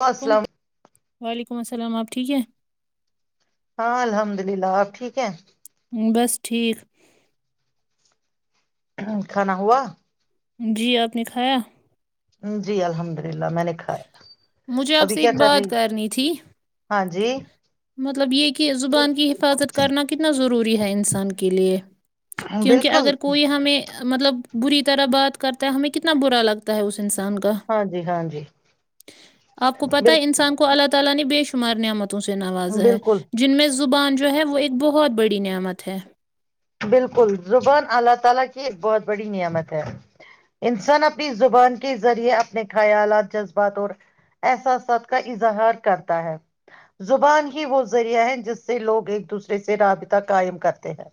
السلام وعلیکم وعلیکم السلام آپ ٹھیک ہے ہاں الحمد للہ آپ ٹھیک ہے بس ٹھیک کھانا ہوا جی آپ نے کھایا جی الحمد للہ میں نے کھایا مجھے آپ ابھی سے ایک کیا کر بات رہی کرنی تھی ہاں جی مطلب یہ کہ زبان کی حفاظت کرنا کتنا ضروری ہے ان انسان کے لیے کیونکہ بالکل اگر کوئی ہمیں مطلب بری طرح بات کرتا ہے ہمیں کتنا برا لگتا ہے اس انسان کا ہاں جی ہاں جی اپ کو پتہ ہے بالکل انسان کو اللہ تعالی نے مارنے متوں سے نوازا ہے بالکل جن میں زبان جو ہے وہ ایک بہت بڑی نعمت ہے بالکل زبان اللہ تعالی کی بہت بڑی نعمت ہے انسان اپنی زبان کے ذریعے اپنے خیالات جذبات اور احساسات کا اظہار کرتا ہے زبان ہی وہ ذریعہ ہے جس سے لوگ ایک دوسرے سے رابطہ قائم کرتے ہیں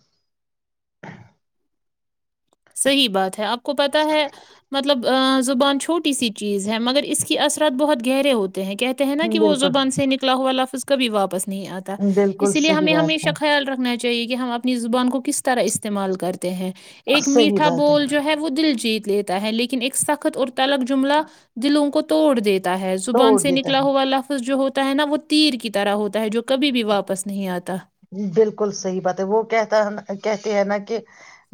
صحیح بات ہے آپ [unintelligible] کو پتا ہے مطلب [unintelligible] زبان چھوٹی سی چیز ہے مگر اس کے اثرات بہت گہرے ہوتے ہیں کہتے ہیں نا کہ وہ زب بالکل بند سے نکلا ہوا لف اس کا بھی واپس نہیں آتا بالکل اس لیے صحیح ہمیں بات ہمیشہ ہے خیال رکھنااہ چاہیے کہ ہم اپنی زبان کو کس طرح استعمال کرتے ہیں صحیح میٹھا بات بول جو ہے وہ دل جیت لیتا ہے لیکن ایک سخت اور الگ جملہ دلوں کو توڑ دیتا ہے زبان توڑ سے دیتا نکلا ہوا لفظ جو ہوتا ہے نا وہ تیر کی طرح ہوتا ہے جو کبھی بھی واپس نہیں آتا بالکل صحیح بات ہے وہ کہتا کہتے ہے نا کہ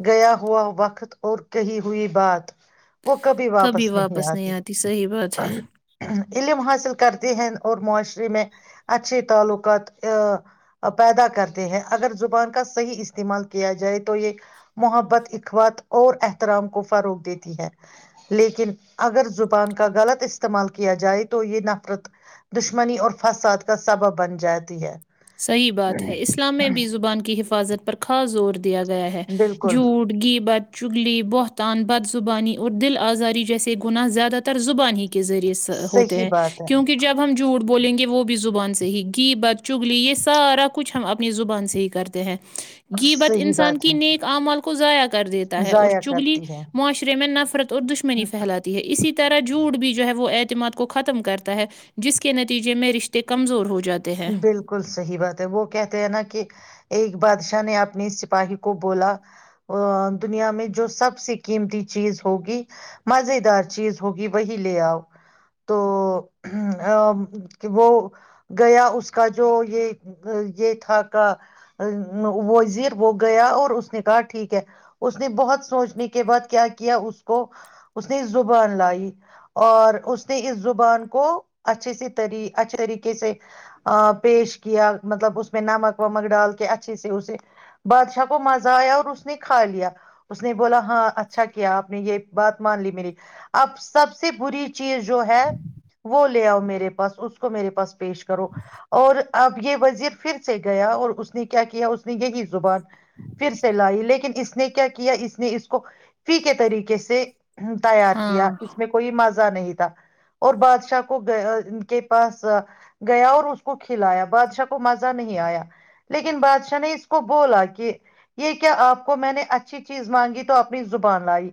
گیا ہوا وقت اور کہی ہوئی بات وہ کبھی واپس نہیں آتی علم حاصل کرتی ہیں اور معاشرے میں اچھے تعلقات پیدا کرتے ہیں اگر زبان کا صحیح استعمال کیا جائے تو یہ محبت اخوات اور احترام کو فروغ دیتی ہے لیکن اگر زبان کا غلط استعمال کیا جائے تو یہ نفرت دشمنی اور فساد کا سبب بن جاتی ہے صحیح بات ہے اسلام میں بھی زبان کی حفاظت پر خاص زور دیا گیا ہے بالکل جھوٹ گی بت چگلی بہتان بد زبانی اور دل آزاری جیسے گناہ زیادہ تر زبان ہی کے ذریعے س ہوتے صحیح ہیں بات ہے کیونکہ جب ہم جوڑ بولیں گے وہ بھی زبان سے ہی گھی بچچ چگلی یہ سارا کچھ ہم اپنی زبان سے ہی کرتے ہیں گی بت صحیح انسان بات کی ہے نیک اعمال کو ضائع کر دیتا ہے اور ضائع چگلی کرتی ہے معاشرے میں نفرت اور دشمنی پھیلاتی ہے اسی طرح جوٹ بھی جو ہے وہ ای مات کو ختم کرتا ہے جس کے نتیجے میں رشتے کمزور ہو ج جاتے ہیں بالکل صحیح بات ہے وہ کہتے ہیں نا کہ ایک بادشاہ نے اپنی سپاہی کو بولا دنیا میں جو سب سے قیمتی چیز ہوگی مز دار چیز ہوگی وہی لے آؤ تو وہ گیا اس کا جو یہ یہ تھا کا وزیر وہ گیا اور اس نے کہا ٹھیک ہے اس نے بہت سوچنے کے بعد کیا کیا اس کو اس نے زبان لائی اور اس نے اس زبان کو اچھے سےیری اچھے طریقے سے پیش کیا مطلب اس میں نمک ومک ڈال کے اچھے سے اسے بادشاہ کو مزہ آیا اور اس نے کھا لیا اس نے بولا ہاں اچھا کیا آپ نے یہ بات مان لی میری اب سب سے بری چیز جو ہے وہ لے آؤ میرے پاس اس کو میرے پاس پیش کرو اور اب یہ وزیر پھر سے گیا اور اس نے کیا اس نے یہی زبان پھر سے لائی لیکن اس کے اس نے کیا کیا اس نے اس کو فی کے طریقے سے تیار کیا ہاں اس میں کوئی مزہ نہیں تھا اور بادشاہ کو ان کے پاس گیا اور اس کو کھلایا بادشاہ کو مزہ نہیں آیا لیکن بادشاہ نے اس کو بولا کہ یہ کیا آپ کو میں نے اچھی چیز مانگی تو اپنی زبان لائی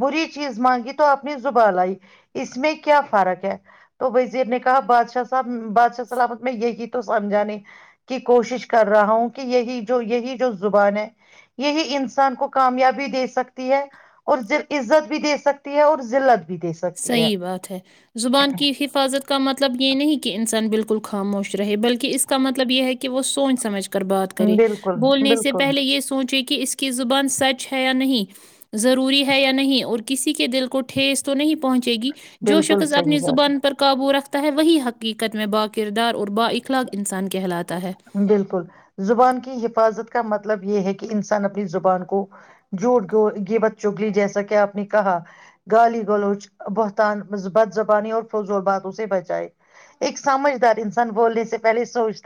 بری چیز مانگی تو اپنی زبان لئی اس میں کیا فرق ہے تو وزیر نے کہا بادشاہ صاحب سلامت میں یہی [unintelligible] سمجھانے کی کوشش کر رہا ہوں کہ یہی جو یہی جو زبان ہے یہی انسان کو کامیابی دے سکتی ہے اور عزت بھی دے سکتی ہے اور ت بھی دے سکتی صحیح بات ہے زبان کی حفاظت کا مطلب یہ نہیں کہ انسان بالکل خاموش رہے بلکہ اس کا مطلب یہ ہے کہ وہ سوچ سمجھ کر بات کریں بالکل بولنے سے بالکل پہلے یہ سوچیں کہ اس کی زبان سچ ہے یا نہیں ضروری ہے یا نہیں اور کسی کے دل کو ٹھس تو نہیں پہنچ ج گی جو بالکل شخص صحیح اپنی بات زبان پر قابو رکھتے ہے وہی حقیقت میں با کردار اور با اخلاق انسان کے بالکل زبان کی حفاظت کا مطلب یہ ہے کہ انسان اپنی زبان کو جوڑ یہ بد چگ لی جیسا کہ آپ نے کہا گالی گلوچ بہتان بد زبانی اور فض باتوں سے بچائے ایک سمجھدار انسان بولنے سے پہلے سوچ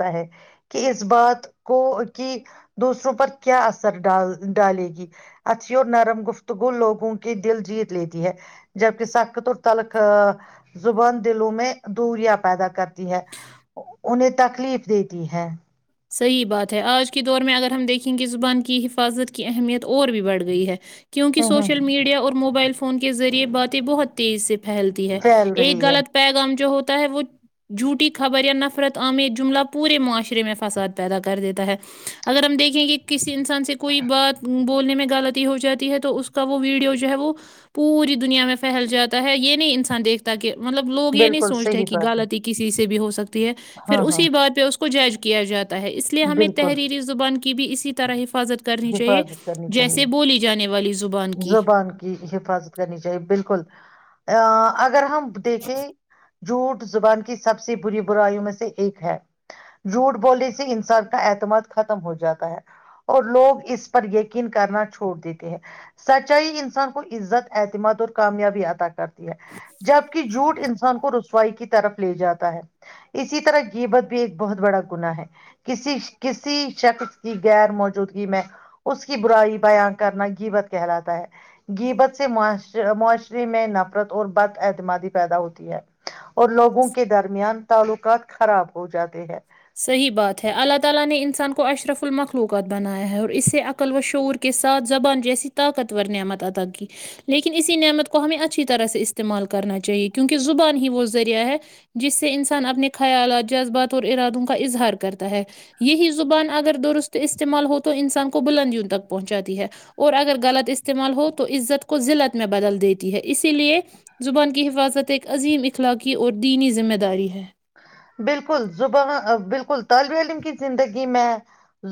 کہ اس بات کو کی دوسروں پر کیا اثر ڈال ڈالے گی اتھی اور نرم گفتگو لوگوں کے دل جیت لیتی ہے جبکہ سخت اور تلک زبان دلوں میں دوریا پیدا کرتی ہے انہیں تکلیف دیتی ہے صحیح بات ہے آج کے دور میں اگر ہم دیکھیں گے زبان کی حفاظت کی اہمیت اور بھی بڑھ گئی ہے کیونکہ ہوں ہوں سوشل میڈیا اور موبائل فون فون کے ذریعے باتیں بہت تیز سے پھیلتی ہے پھیل رہی ایک ہے غلط پیغام جو ہوتا اہ وہ جھوٹی خبر یا نفرت آمر جملہ پورے معاشرے میں فساد پیدا کر دیتا ہے اگر ہم دیکھیں کہ کسی انسان سے کوئی بات بولنے میں غلطی ہو جاتی ہے تو اس کا وہ ویڈیو جو ہے وہ پوری دنیا میں پھیل جاتا ہے یہ نہیں انسان دیکھتا کہ مطلب لو یہ نہیں بالکل سوچ رہے صحیح کہ بات ہے غلط کسی سے بھی ہو سکتا [unintelligible] ہے پھر ہاں ہاں اسی بات پہ اس کو کچھ [unintelligible] کیا جاتا ہے اس لیے ہمیں بالکل تحری زبان کے بھی اسی طرح حفاظت کرنی چاہیے حفاظت کرنی چاہیے جیسے بولی جانے والی زبان کی زبان کی حفاظت کرنی چاہیے بالکل آ [inaudible] اگر ہم دیکھیں جوٹ زبان کی سب سے بری برائیوں میں سے ایک ہے جھوٹ بولنے سے انسان کا اعتماد ختم ہو جاتا ہے اور لوگ اس پر یقین کرنا چھوڑ دیتے ہے سچائی انسان کو عزت اعتماد اور کامیابی ادا کرتی ہے جبک جھوٹ انسان کو رسوائی کی طرف لے جاتا ہے اسی طرح جیبت بھی ایک بہت بڑا گنا ہے کسی کسی شخص کی غیر موجودگی میں اس کی برائی بییاان کرنا گیبت کہلاتا ہے گیبت سے معاشرے میں نفرت اور بد اعتمادی پیدا ہوتی ہے اور لوگوں کے درمیان تعلقات خراب ہو جاتے ہیں [inaudible] کا اظہار کرتا ہے یہی زبان اگر درست استعمال ہو تو انسان کو بلندیوں تک پہنچاتی ہے اور اگر غلط استعمال ہو تو عزت کو ذلت میں بدل دیتی ہے اسی لیے زبان کی حفاظت ایک عظیم اخلاقی اور دینی ذمہ داری ہے بالکل زباں بالکل طالب علم کی زندگی میں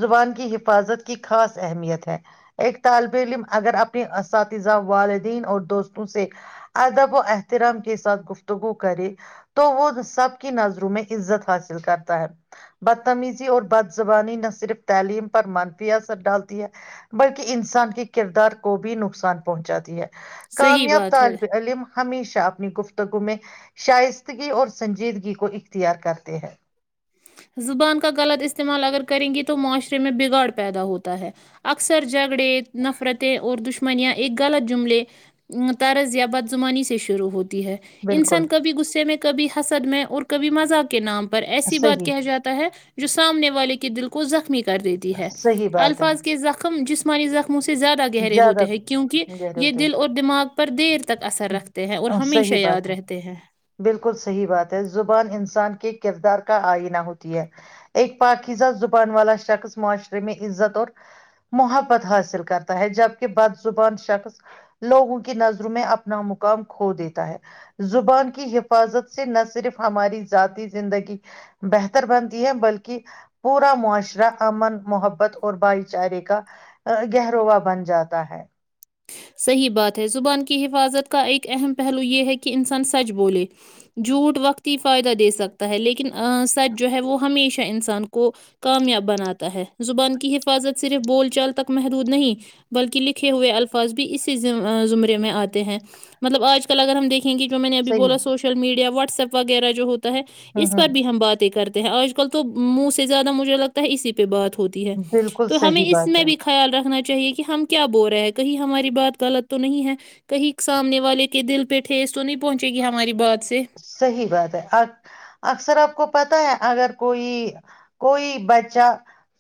زبان کی حفاظت کی خاص اہمیت ہے ایک طالب علم اگر اپنی اساتذہ والدین اور دوستوں سے ادب و احترام کے ساتھ گفتگو کرے تو وہ سب کی نظر میں عزت حاصل کرتا ہے بدتمیزی اور بد زبانی نہ صرف تعلیم پر منفی اثر ڈالتی ہے بلکہ انسان کے کردار کو بھی نقصان پہنچاتی ہے صحیح کامیاب بات ہے طالب علم ہمیشہ گفتگو میں شائستگی اور سنجیدگی کو ا خ تیار کرتے ہیں [unintelligible] زبان کا غلط اس استعمال اگر کریں گی تو معاشرے میں بگاڑ پیدا ہوتا ہے اکثر جھگڑے نفرتیں اور دشمن منیا ایک غلط جملے طرز یا بدعمانی سے شروع ہوتی ہے بالکل انسان کبھی غصے میں کبھی ہ حسد میں اور کبھی مزاق کے نام پر ایسی بات [unintelligible] صحیح کہ جاتا ہے جو سامنے والے کے دل کو زخمی کر دیتی ہے صحیح بات ہے الفاظ کے زخم جس مریض سے زیادہ گہرے زیادہ ہوتے ہیں کیونکہ گہرے یہ ہوتے دل اور دماغ پر دیر تک اثر رکھتے ہیں اور ہمیشہ صحیح یاد بات ہے رہتے ہیں بالکل صحیح بات ہے زبان انسان کے کردار کا آئینہ ہوتی ہے ایک پاکیزہ زبان والا شخص معاشرے میں عزت اور محبت حاصل کرتا ہے جبکہ بد زبان شخص لوگوں کی نظروں میں اپنا مقام کھو دیتا ہے زبان کی حفاظت سے نہ صرف ہماری ذاتی زندگی بہتر بنتی ہے بلکہ پورا معاشرہ امن محبت اور بھائی چارے کا گہرووا بن جاتا ہے صحیح بات ہے زبان کی حفاظت کا ایک اہم پہلو یہ ہے کہ انسان سچ بولے جھوٹ وقتتی فائدہ دے سکتا ہے لیکن سچ جو ہے وہ ہمیشہ انسان کو کامیاب بناتا ہے زبان کی حفاظت صرف بول چال تک محدود نہیں بلکہ لکھے ہوئے الا بھی اسی زمرے میں آتے ہیں مطلب آج کل اگر ہم دیکھ کہ جو میں نے ابھی بو صحیح سوشل میڈیا واٹ وٹسپ وغیرہ جو ہو ہے ہ اس ہ پر بھی ہم باتیں کرتے آج کل تو منہ سے زیادہ مجھے لگتا ہے اسی پر پہ بات ہوتی ہے بالکل تو ہمیں صحیح اس بات ہے میں بھی خیال رکھنا چاہی چاہیے کہ ہم کیا بول رہے ہیں کہیں ہماری بات غلط تو نہیں ہے کہیں سامنے والے کے دل پہ ٹھس صحی بات ہے اکثر آپ کو پتا ہے اگر کوئی کوئی بچہ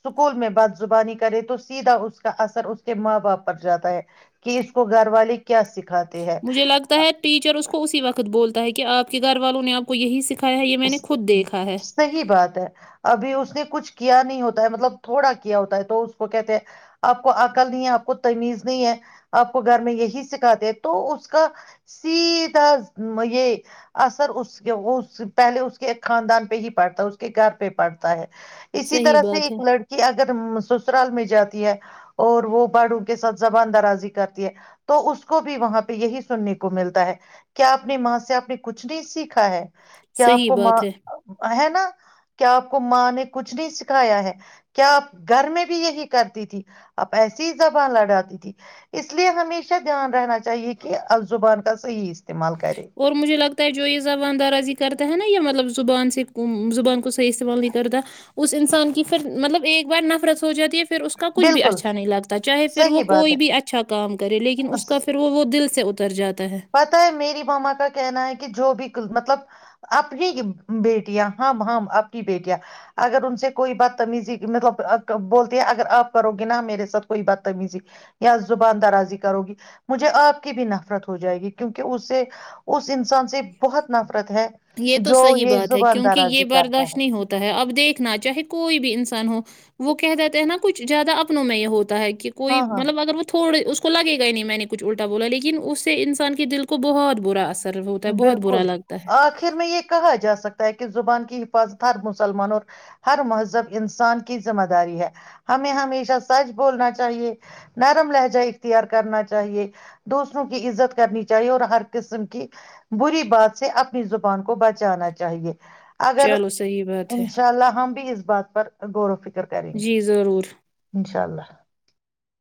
اسکول میں بد زبانی کرے تو سیدھا اس کا اثر اس کے ماں باپ پر جاتا ہے کہ اس کو گھر والے کیا سکھاتے ہیں مجھے لگتا ہے ٹیچر اس کو اسی وقت بولتا ہے کہ آپ کے گھر والوں نے آپ کو یہی سکھا صحیح بات ہے ابھی اس نے کچھ کیا نہیں ہوتا ہے مطلب تھوڑا کیا ہوتا ہے تو اس کو کہتے ہیں آپ کو عقل نہیں ہے آپ کو تمیز نہیں ہے آپ کو گھر میں یہی سکھاتے ہیں تو اس کا سیدھا یہ اثر اس کے پہلے اس کے ایک خاندان پہ ہی پڑتا ہے اس کے گھر پہ پڑتا ہے اسی صحیح طرح سے بات ہے ایک لڑکی اگر سسرال میں جاتی ہے اور وہ بڑوں کے ساتھ زبان درازی کرتی ہے تو اس کو بھی وہاں پہ یہی سننے کو ملتا ہے کیا آپ نے ماں سے آپ نے کچھ نہیں سیکھا ہے کیا آپ صحیح کو م بات ہے ہے نا [unintelligible] [inaudible] کیا آپ کو ماں نے کچھ نہیں سکھایا ہے کیا آپ گھر میں بھی یہی کرتی تھی آپ ایسی ہی زبان لڑاتی تھی اس لیے ہمیشہ دھیان رہنا چاہیے کہ اب زبان کا صحیح استعمال کرے اور مجھے لگتا ہے جو یہ زبان درازی کرتا ہے نا یا مطلب زبان سے زبان کو صحیح استعمال نہیں کرتا اس انسان کی پھر مطلب ایک بار نفرت ہو جاتی ہے پھر پھر اس کا کچھ بھی بالکل اچھا نہیں لگتا چاہے پھر وہ صحیح بات کوئی بھی اچھا کام کرے لیکن اس کا پھر وہ وہ دل سے سے اتر جاتا پت ہے میری ماما کا کہنا ہے کہ جو بھی مطلب اپنی بیٹیاں ہم ہم آپ کی بیٹیاں اگر ان سے کوئی بدتمیزی مطلب بولتی ہے اگر آپ کرو گے نا میرے ساتھ کوئی بدتمیزی یا زبان درازی کرو گی مجھے آپ کی بھی نفرت ہو جائے گی کیونکہ اس سے اس انسان سے بہت ناف یہ تو صحیح بات ہے کیونکہ درازی یہ کرتا برداشت ہے نہیں ہوتا ہے اب دیکھنا چاہے کوئی بھی انسان ہو وہ کہہ دیتے ہیں نا کچھ زیادہ اب میں یہ ہو ہے کہ کوئی ہاں ہاں مطلب اگر وہ تھوڑے اس کو تو لگے گا ہی نہیں میں نے کچھ الٹا بولا لیکن اس سے انسان کے دل کو بہت برا اثر سر ہوتا ہے بہت برا لگتا ہے خر میں یہ کہا جا سکتا ہے کہ زبان کی حفاظت ہر مسلمان اور ہر مذہب انسان کی ذمہ داری ہے ہمیں ہمیشہ سچ بولنا چاہیے نرم لہجہ اختیار کرنا چاہیے دوسروں کی عزت کرنی چاہیے اور ہر قسم کی بری بات سے اپنی زبان کو بچانا چاہیے اگر چلو صحیح بات ہے انشاء اللہ ہم بھی اس بات پر غورو کر کریں گے جی ضرور انشاء اللہ